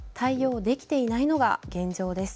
対応できていないのが現状です。